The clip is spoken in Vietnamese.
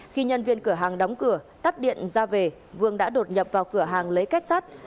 khi nhân viên cửa hàng đóng cửa tắt điện ra về vương đã đột nhập vào cửa hàng lấy kết sắt